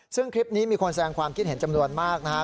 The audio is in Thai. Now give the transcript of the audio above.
ซึ่งคลิปนี้มีคนแสดงความคิดเห็นจำนวนมากนะครับ